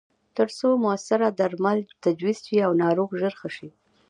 ترڅو موثره درمل تجویز شي او ناروغ ژر ښه شي.